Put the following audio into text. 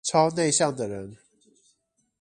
超內向的人